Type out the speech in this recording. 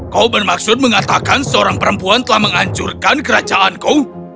kau bermaksud mengatakan seorang perempuan telah menghancurkan kerajaanku